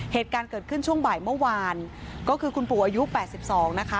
เหตุการณ์เกิดขึ้นช่วงบ่ายเมื่อวานก็คือคุณปู่อายุ๘๒นะคะ